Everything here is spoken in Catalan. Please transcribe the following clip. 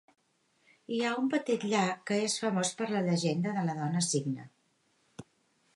Hi ha un petit llac que és famós per la llegenda de la dona-cigne